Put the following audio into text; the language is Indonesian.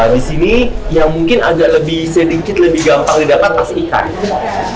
disini yang mungkin agak sedikit lebih gampang didapat pas ikan